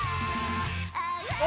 お！